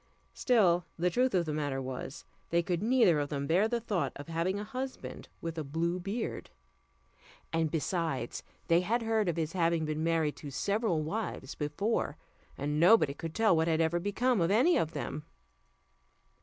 Still the truth of the matter was, they could neither of them bear the thoughts of having a husband with a blue beard; and besides, they had heard of his having been married to several wives before, and nobody could tell what had ever become of any of them.